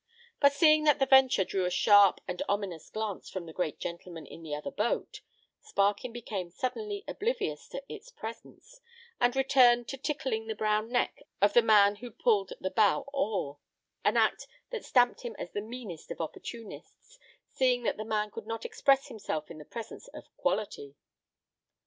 But seeing that the venture drew a sharp and ominous glance from the great gentleman in the other boat, Sparkin became suddenly oblivious to its presence, and returned to tickling the brown neck of the man who pulled the bow oar—an act that stamped him as the meanest of opportunists, seeing that the man could not express himself in the presence of "quality."